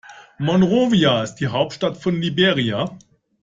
Monrovia ist die Hauptstadt von Liberia.